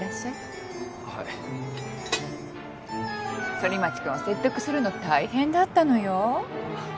反町君を説得するの大変だったのよ。